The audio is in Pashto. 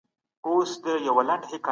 د ناروغ د خولې بوی د مسمومیت نښه کېدای شي.